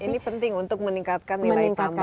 ini penting untuk meningkatkan nilai tambah